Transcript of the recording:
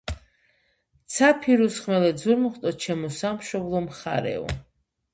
ცა ფირუზ ხმელეთ ზურმუხტო, ჩემო სამშობლო მხარეო